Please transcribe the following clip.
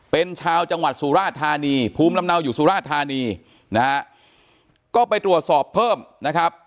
เป็นชาวจังหวัดสุราธานีภูมิลำเนาอยู่สุราธานีนะฮะก็ไปตรวจสอบเพิ่มนะครับ